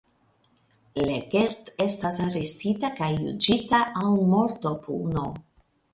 Lekert estas arestita kaj juĝita al mortopuno.